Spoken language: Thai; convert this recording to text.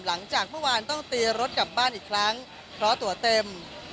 หลังจากเมื่อวานต้องตีรถกลับบ้านอีกครั้งเพราะตัวเต็ม